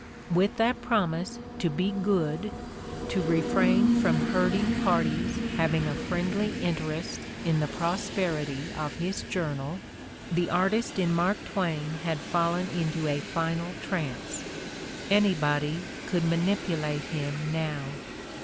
With that prom ise to be "good," to refrain from hurting "parties having a friendly interest in the prosperity" of his journal, the artist in Mark Twain had fallen into a final trance: anybody could manipulate him now.